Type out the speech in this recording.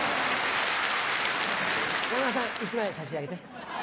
山田さん１枚差し上げて。